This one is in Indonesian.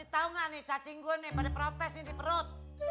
tau gak nih cacing gua nih pada protes di perut